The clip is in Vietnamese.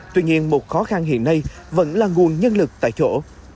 tuy nhiên một khó khăn hiện nay vẫn là nguồn nhân lực tại chỗ